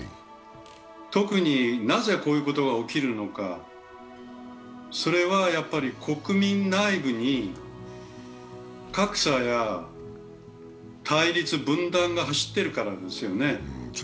特に、なぜこういうことが起きるのか、それは国民内部に格差や対立、分断が走っているからなんですよね。